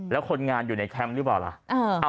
แล้วคนงานอยู่ในแคมป์หรือเปล่าล่ะ